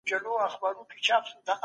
ډیپلوماتان په نړیوالو غونډو کي برخه اخلي.